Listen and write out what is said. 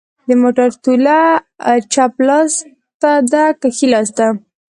د موټر توله چپ لاس ته ده که ښي لاس ته